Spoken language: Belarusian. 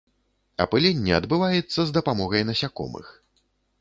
Апыленне адбываецца з дапамогай насякомых.